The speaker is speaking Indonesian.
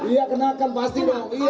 iya kenalkan pasti mau iya